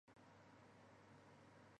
分布于台湾恒春等。